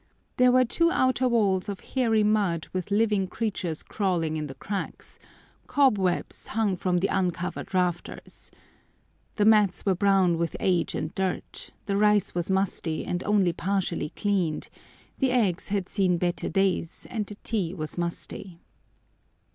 There were two outer walls of hairy mud with living creatures crawling in the cracks; cobwebs hung from the uncovered rafters. The mats were brown with age and dirt, the rice was musty, and only partially cleaned, the eggs had seen better days, and the tea was musty.